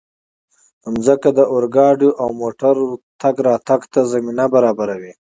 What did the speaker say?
مځکه د اورګاډي او موټرو تګ راتګ ته زمینه برابروي.